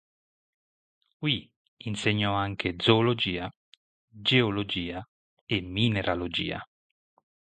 Qui insegnò anche Zoologia, Geologia e Mineralogia.